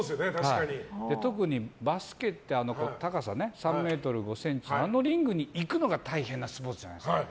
特にバスケって高さ３ｍ５ｃｍのあのリングに行くのが大変なスポーツじゃないですか。